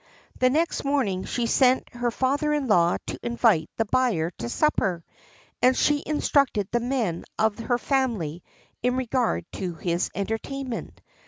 The next morning she sent her father in law to invite the buyer to supper, and she instructed the men of her family in regard to his entertainment.